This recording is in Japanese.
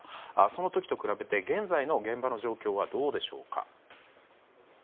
その時と比べて現在の現場の状況はどうでしょうか。